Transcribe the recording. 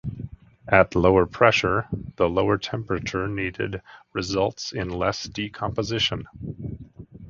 At lower pressure the lower temperature needed results in less decomposition.